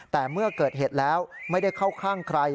แต่เมื่อเกิดเหตุแล้วไม่ได้เข้าข้างใคร